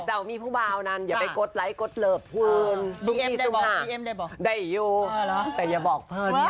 ถูกใจกดไลค์